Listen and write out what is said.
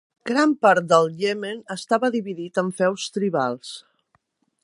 Gran part del Iemen estava dividit en feus tribals.